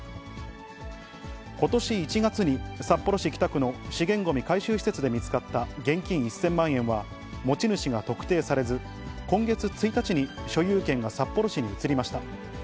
ことし１月に札幌市北区の資源ごみ回収施設で見つかった現金１０００万円は、持ち主が特定されず、今月１日に所有権が札幌市に移りました。